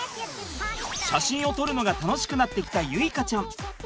写真を撮るのが楽しくなってきた結花ちゃん。